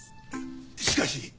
しかし。